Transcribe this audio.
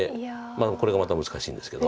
これがまた難しいんですけど。